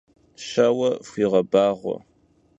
Şeue fxuiğebağue!